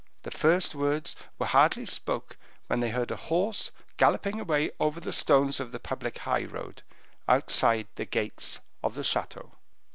The first words were hardly spoke, when they heard a horse galloping away over the stones of the public high road, outside the gates of the chateau.